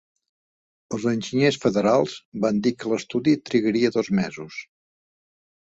Els enginyers federals van dir que l'estudi trigaria dos mesos.